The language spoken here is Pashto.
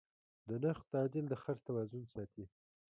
د نرخ تعدیل د خرڅ توازن ساتي.